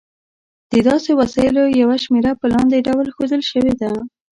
د داسې وسایلو یوه شمېره په لاندې ډول ښودل شوې ده.